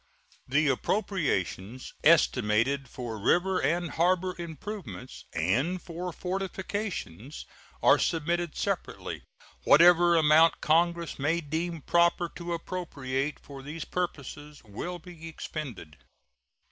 The appropriations estimated for river and harbor improvements and for fortifications are submitted separately. Whatever amount Congress may deem proper to appropriate for these purposes will be expended.